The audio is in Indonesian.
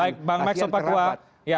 baik bang max sopak dua